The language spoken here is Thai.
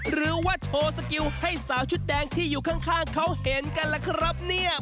หรือว่าโชว์สกิลให้สาวชุดแดงที่อยู่ข้างเขาเห็นกันล่ะครับเนี่ย